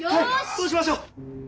そうしましょ。